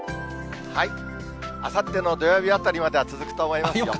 あさっての土曜日あたりまでは続くと思いますよ。